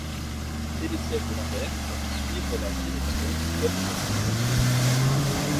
Du télésiège de l'index, suivre la direction du col de la Glière.